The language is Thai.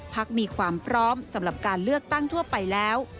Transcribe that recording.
พักมีความพร้อมสำหรับการเลือกตั้งทั่วไปแล้ว